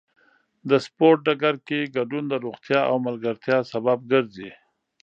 د سپورت ډګر کې ګډون د روغتیا او ملګرتیا سبب ګرځي.